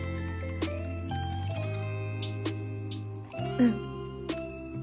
うん。